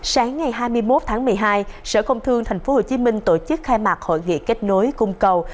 sáng ngày hai mươi một tháng một mươi hai sở công thương tp hcm tổ chức khai mạc hội nghị kết nối cung cầu